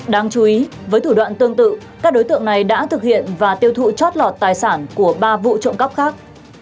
đáng chú ý với thủ đoạn tương tự các đối tượng này đã thực hiện và tiêu thụ chót lọt tài sản của ba vụ trộm cắp khác